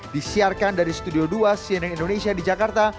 disiarkan dari studio dua cnn indonesia di jakarta